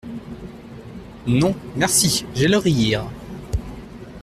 Non, merci… j’ai le Rire.